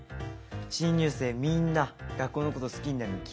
新入生みんな学校のこと好きになるに決まってる。